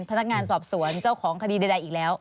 พนักงานสอบสวนเจ้าของคดีใดอีกแล้ว